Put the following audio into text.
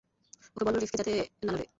ওকে বলো, রিফকে, যাতে না লড়ে।